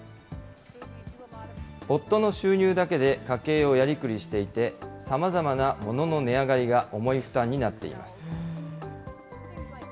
夫の収入だけで家計をやりくりしていて、さまざまなものの値上がりが重い負担になっています。